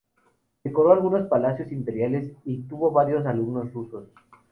Decoró algunos palacios imperiales y tuvo varios alumnos rusos.